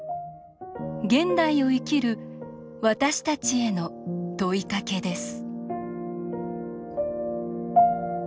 現代を生きる私たちへの問いかけです。